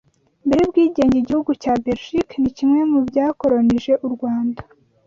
Mbere y’ubwigenge igihugu cya Berigike ni kimwe mu byakoronije Urwanda